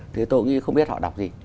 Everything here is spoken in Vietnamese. thế tôi nghĩ không biết họ đọc gì